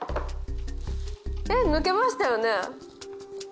えっ抜けましたよね？